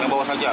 yang bawa tajam